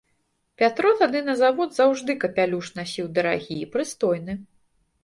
Пятро тады на завод заўжды капялюш насіў дарагі і прыстойны.